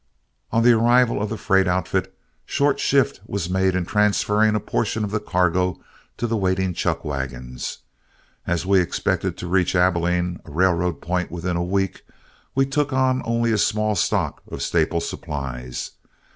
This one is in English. On the arrival of the freight outfit, short shift was made in transferring a portion of the cargo to the waiting chuck wagons. As we expected to reach Abilene, a railroad point, within a week, we took on only a small stock of staple supplies.